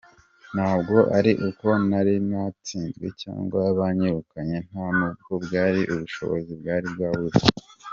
Ntabwo ari uko nari natsinzwe cyangwa banyirukanye nta n’ubwo bwari ubushobozi bwari bwabuze.